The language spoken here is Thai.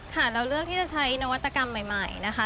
เราเลือกที่จะใช้นวัตกรรมใหม่นะคะ